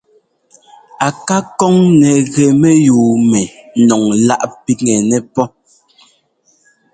A ká kɔŋ nɛ gɛ mɛyúu mɛ nɔŋláꞌ pigɛnɛ pɔ́.